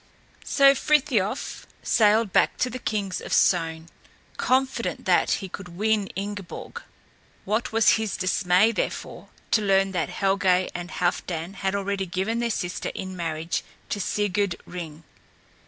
So Frithiof sailed back to the kings of Sogn, confident that he could win Ingeborg. What was his dismay, therefore, to learn that Helgé and Halfdan had already given their sister in marriage to Sigurd Ring.